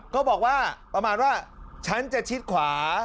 ก็บอกว่าประมาณว่าฉันจะชิดขวา